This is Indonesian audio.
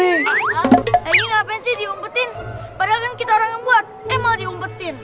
ini ngapain sih diumpetin padahal kita orang yang buat emang diumpetin